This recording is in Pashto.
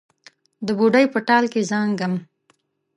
د بوډۍ په ټال کې زانګم